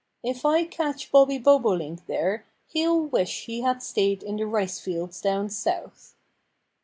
If I catch Bobby Bobolink there he'll wish he had stayed in the rice fields, down South."